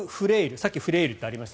さっきフレイルってありました